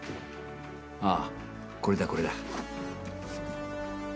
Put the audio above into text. ああ、これだ、これだ。